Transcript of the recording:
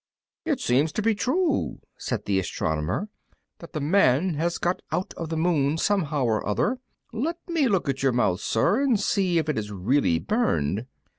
"It seems to be true," said the astronomer, "that the Man has got out of the Moon somehow or other. Let me look at your mouth, sir, and see if it is really burned."